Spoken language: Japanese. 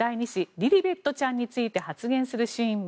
リリベットちゃんについて発言するシーンも。